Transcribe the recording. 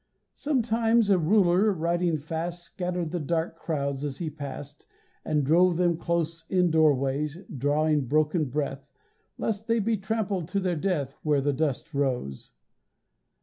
Sometimes a ruler riding fast Scattered the dark crowds as he passed, And drove them close In doorways, drawing broken breath Lest they be trampled to their death Where the dust rose.